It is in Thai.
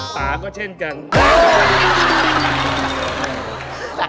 ตาก็เช่นกัน